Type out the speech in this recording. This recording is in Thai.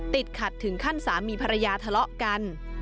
ติดขัดถึงขั้นสามีภรรยาทะเลาะกัน